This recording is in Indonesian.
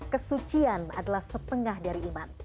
kesucian adalah setengah dari iman